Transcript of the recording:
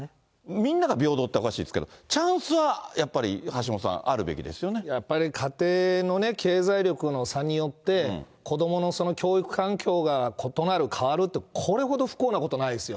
みんなが平等というのはおかしいですけど、チャンスはやっぱやっぱり家庭の経済力の差によって、子どもの教育環境が異なる、変わるというのは、これほど不幸なことないですよ。